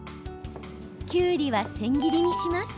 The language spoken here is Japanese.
きゅうりは千切りにします。